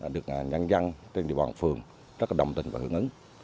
được nhân dân trên địa bàn phường rất đồng tình và hưởng ứng